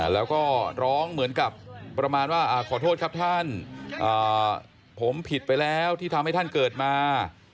แล้วก็ร้องเหมือนกับประมาณว่าขอโทษครับท่านผมผิดไปแล้วที่ทำให้ท่านเกิดมา